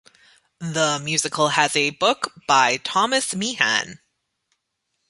The musical has a book by Thomas Meehan.